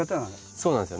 そうなんですよ。